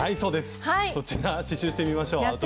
そちら刺しゅうしてみましょう。